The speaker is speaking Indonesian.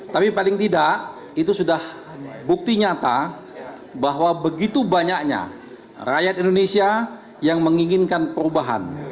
tapi paling tidak itu sudah bukti nyata bahwa begitu banyaknya rakyat indonesia yang menginginkan perubahan